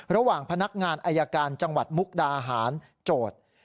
ระหว่างพนักงานอายการจังหวัดมุกดาหารโจทย์